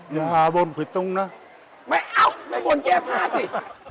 อย่าหาบนผิดตรงนะไม่เอาไม่บนแก้ผ้าสิ